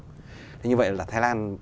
thế như vậy là thái lan